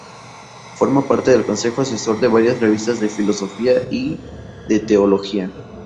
Forma parte del consejo asesor de varias revistas de filosofía y de teología.